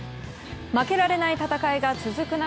負けられない戦いが続く中